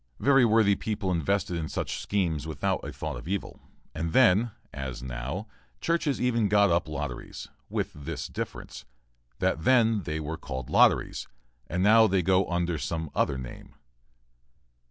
Very worthy people invested in such schemes without a thought of evil, and then, as now, churches even got up lotteries, with this difference that then they were called lotteries, and now they go under some other name.